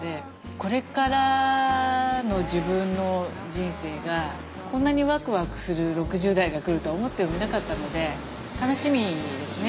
これからの自分の人生がこんなにワクワクする６０代が来るとは思ってもみなかったので楽しみですね